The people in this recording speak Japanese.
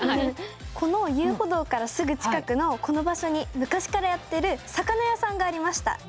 この遊歩道からすぐ近くのこの場所に昔からやってる魚屋さんがありました。